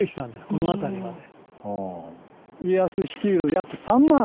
この辺りまで。